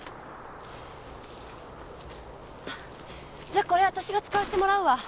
じゃこれ私が使わせてもらうわ。